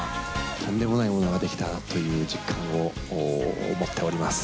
とんでもないものができたなという実感を持っております。